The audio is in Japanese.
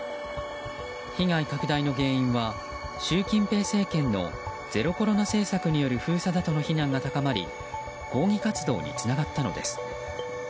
被害拡大の原因は、習近平政権のゼロコロナ政策による封鎖だとの非難が高まり抗議活動につながったのです。